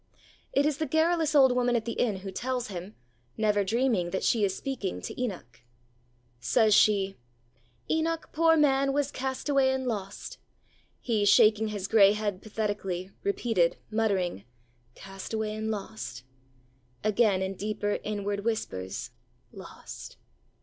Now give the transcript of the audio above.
It is the garrulous old woman at the inn who tells him, never dreaming that she is speaking to Enoch. Says she: 'Enoch, poor man, was cast away and lost!' He, shaking his grey head pathetically, Repeated, muttering, 'Cast away and lost!' Again in deeper inward whispers, 'Lost!'